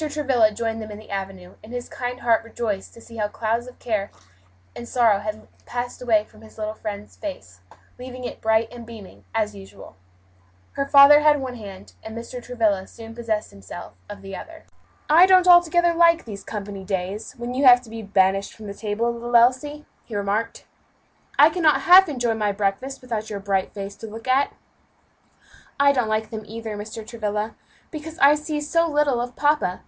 Travilla joined them in the avenue, and his kind heart rejoiced to see how the clouds of care and sorrow had all passed away from his little friend's face, leaving it bright and beaming, as usual. Her father had one hand, and Mr. Travilla soon possessed himself of the other. "I don't altogether like these company days, when you have to be banished from the table, little Elsie," he remarked. "I cannot half enjoy my breakfast without your bright face to look at." "I don't like them either, Mr. Travilla, because I see so little of papa.